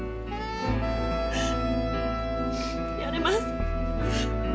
やれます。